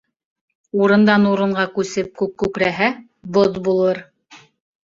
Урындан-урынға күсеп күк күкрәһә, боҙ булыр.